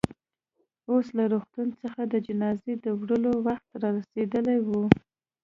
اوس له روغتون څخه د جنازې د وړلو وخت رارسېدلی و.